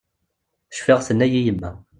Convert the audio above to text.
Cfiɣ tenna-yi yemma.